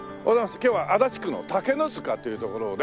今日は足立区の竹ノ塚という所をね